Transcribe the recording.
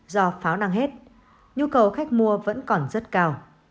do pháo năng hết nhu cầu khách mua vẫn còn rất cao